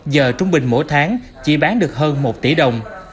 giờ trung bình mỗi tháng chỉ bán được hơn một tỷ đồng